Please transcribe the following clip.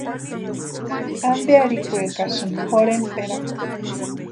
¿Ampe arhikwekasïni jorhentpʼerakwa?